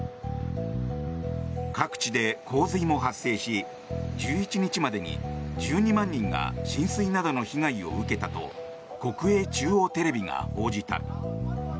各地で洪水も発生し１１日までに１２万人が浸水などの被害を受けたと国営中央テレビが報じた。